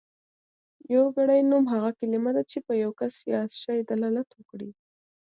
يوګړی نوم هغه کلمه ده چې په يو کس يا شي دلالت وکړي.